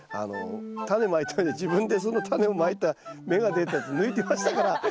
タネまいたのに自分でそのタネをまいた芽が出たやつ抜いてましたから似てますよ。